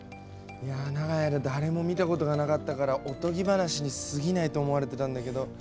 いや長い間誰も見たことがなかったからおとぎ話にすぎないと思われてたんだけど。